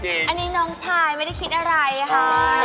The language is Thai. อันนี้น้องชายไม่ได้คิดอะไรค่ะ